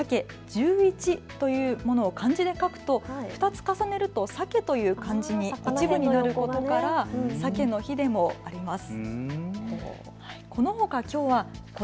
１１を漢字で書くと２つ重ねるとさけという漢字に一部なることから鮭の日でもあります。